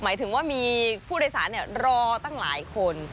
หมายถึงว่ามีผู้โดยสารรอตั้งหลายคน